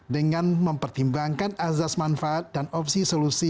dengan mempertimbangkan azas manfaat dan opsi solusi